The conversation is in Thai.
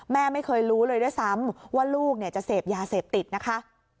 แม่ไม่เคยรู้เลยด้วยซ้ำว่าลูกจะเสพยาเสพติดนะคะ